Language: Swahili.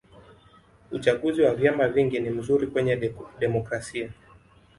uchaguzi wa vyama vingi ni mzuri kwenye demokrasia